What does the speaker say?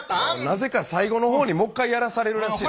なぜか最後の方にもっかいやらされるらしいな。